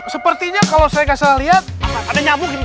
sepertinya kalau saya kasih lihat ada nyamuk